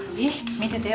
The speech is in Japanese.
見ててよ。